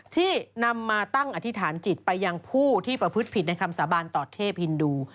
ที่นำมาตั้งอธิษฐานจิตไปยังผู้ที่ประพฤติผิดในคำสาบานต่อเทพฮินดู